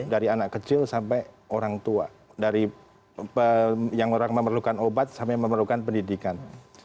dari anak kecil sampai orang tua dari yang orang memerlukan obat sampai memerlukan pendidikan